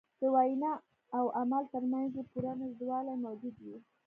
د وینا او عمل تر منځ یې پوره نژدېوالی موجود وي.